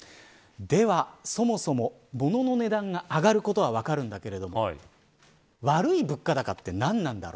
では、そもそも物の値段が上がることは分かるんだけれども悪い物価高とは、何なのか。